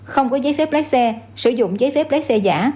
không có giấy phép lái xe sử dụng giấy phép lái xe giả